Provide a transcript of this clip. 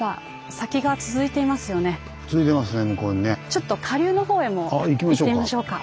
ちょっと下流のほうへも行ってみましょうか。